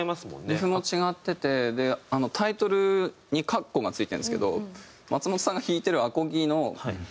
リフも違っててタイトルにかっこがついてるんですけど松本さんが弾いてるアコギの。